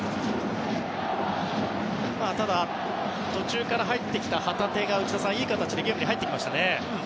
ただ、途中から入ってきた旗手が内田さん、いい形でゲームに入ってきましたね。